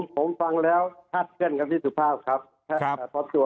ผมฟังแล้วพลาดเกิดกับคุณเสกสกลอัตถาวค่ะ